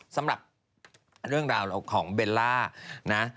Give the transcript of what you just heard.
สำหรับเรื่องราวของเบลล่านะ